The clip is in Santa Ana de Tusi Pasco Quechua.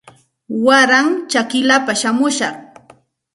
Waray chakillapa shamushaq